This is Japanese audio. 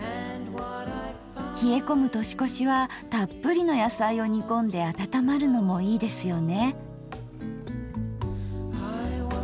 冷え込む年越しはたっぷりの野菜を煮こんで温まるのもいいですよね。